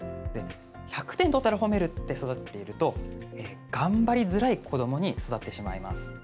１００点取ったら褒めるって育てていると頑張りづらい子どもに育ってしまいます。